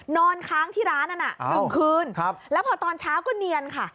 นอนค้างที่ร้านนั้น๑คืนแล้วพอตอนเช้าก็เนียนค่ะ